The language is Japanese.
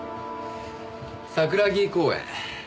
桜木公園。